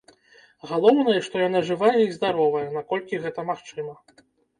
Галоўнае, што яна жывая і здаровая, наколькі гэта магчыма.